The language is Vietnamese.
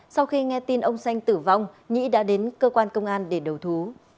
sau khi nghe tin ông xanh tử vong nhĩ đã đến cơ quan công an để đầu thú